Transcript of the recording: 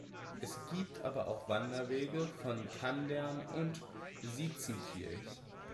Es gibt aber auch Wanderwege von Kandern und Sitzenkirch.